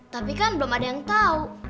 tapi kan belum ada yang tahu